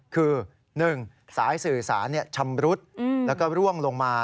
คือ๑สายสื่อสารชำรุดแล้วก็ร่วงลงมา